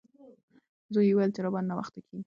زوی یې وویل چې راباندې ناوخته کیږي.